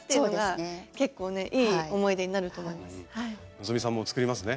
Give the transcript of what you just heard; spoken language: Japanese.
希さんも作りますね？